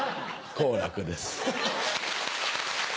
好楽です。